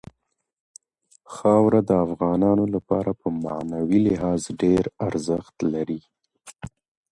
خاوره د افغانانو لپاره په معنوي لحاظ ډېر ارزښت لري.